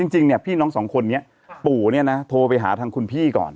จริงเนี่ยพี่น้องสองคนนี้ปู่เนี่ยนะโทรไปหาทางคุณพี่ก่อน